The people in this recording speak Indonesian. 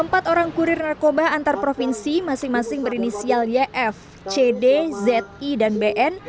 empat orang kurir narkoba antar provinsi masing masing berinisial yf cd zi dan bn